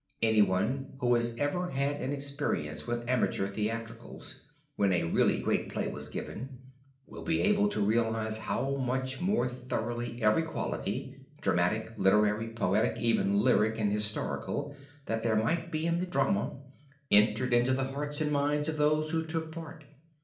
Anyone who has ever had any experience with amateur theatricals when a really great play was given, will be able to realize how much more thoroughly every quality, dramatic, literary, poetic, even lyric and historical, that there might be in the drama, entered into the hearts and minds of those who took part.